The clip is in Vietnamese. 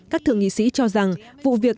các thượng nghị sĩ cho rằng vụ việc